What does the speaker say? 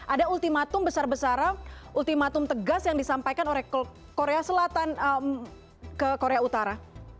ada ultimatum besar besaran ultimatum tegas yang disampaikan oleh korea selatan ke korea utara